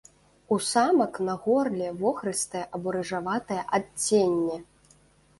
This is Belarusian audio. У самак на горле вохрыстае або рыжаватае адценне.